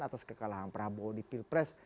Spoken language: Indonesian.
atas kekalahan prabowo di pilpres